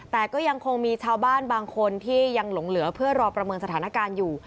แต่ก็ยังคงมีชาวบ้านบางคนที่ยังหลงเหลือเพื่อรอประเมินสถานการณ์อยู่